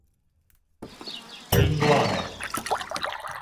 りんごあめ